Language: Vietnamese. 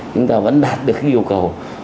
chúng ta vẫn đạt được yêu cầu